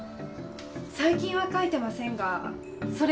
最近は描いてませんがそれが何か？